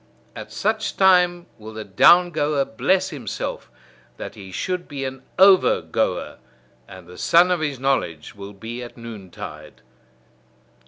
At such time will the down goer bless himself, that he should be an over goer; and the sun of his knowledge will be at noontide.